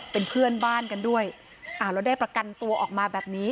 เป็นเพื่อนบ้านกันด้วยอ่าแล้วได้ประกันตัวออกมาแบบนี้